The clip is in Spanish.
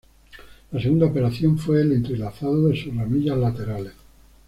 La segunda operación fue el entrelazado de sus ramillas laterales.